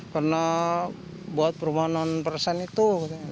karena buat perumahan non persen itu